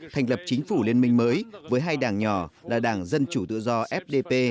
thành lập chính phủ liên minh mới với hai đảng nhỏ là đảng dân chủ tự do fdp